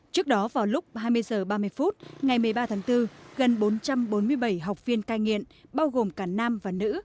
trước đó vào lúc hai mươi h ba mươi phút ngày một mươi ba tháng bốn gần bốn trăm bốn mươi bảy học viên cai nghiện bao gồm cả nam và nữ